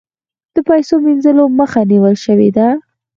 د پیسو مینځلو مخه نیول شوې ده؟